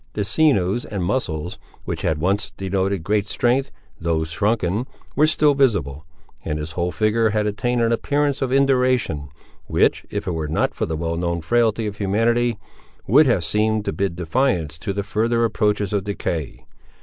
The sinews and muscles, which had once denoted great strength, though shrunken, were still visible; and his whole figure had attained an appearance of induration, which, if it were not for the well known frailty of humanity, would have seemed to bid defiance to the further approaches of decay.